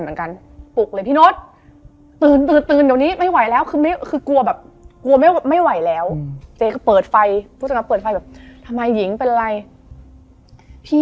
มันมันเลยมันไม่ตลก